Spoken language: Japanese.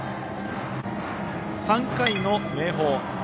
３回の明豊。